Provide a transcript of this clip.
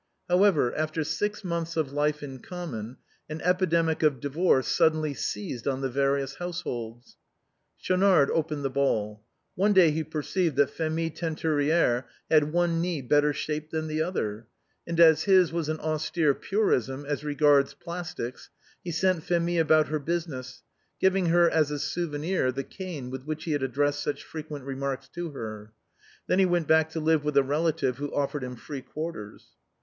However, after six months of life in common, an epi demic of divorce suddenly seized on the various households, Schaunard opened the ball. One day he perceived that Phémie Teinturière had one knee better shaped than the other, and as his was an austere purism as regards plastics, he sent Phémie about her business, giving her as a souvenir the cane with which he had addressed such frequent re marks to her. Then he went back to live with a relative who offered him free quarters.